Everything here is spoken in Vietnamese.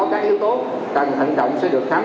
tầng hận động sẽ được khám triên khoa và tiêm chủng